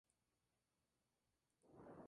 El Gloria está ausente en el manuscrito.